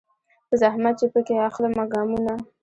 په زحمت چي پکښي اخلمه ګامونه